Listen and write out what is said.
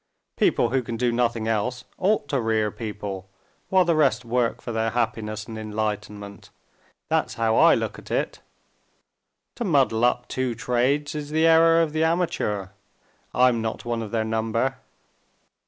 People who can do nothing else ought to rear people while the rest work for their happiness and enlightenment. That's how I look at it. To muddle up two trades is the error of the amateur; I'm not one of their number."